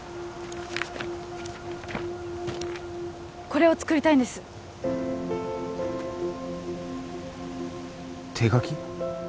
これを作りたいんです手描き？